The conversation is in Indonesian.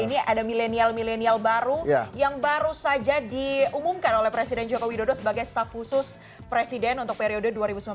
ini ada milenial milenial baru yang baru saja diumumkan oleh presiden joko widodo sebagai staf khusus presiden untuk periode dua ribu sembilan belas dua ribu dua puluh